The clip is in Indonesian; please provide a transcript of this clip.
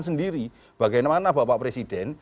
sendiri bagaimana bapak presiden